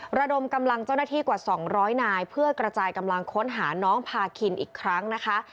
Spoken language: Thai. ระดมกำลังเจ้าหน้าที่กว่า๒๐๐นายเพื่อกระจายกำลังค้นหาน้องพาคินอีกครั้งนะคะ